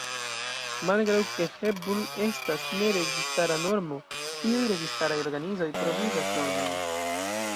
Malgraŭ ke Hepburn estas ne registara normo, iuj registaraj organizoj provizas normojn.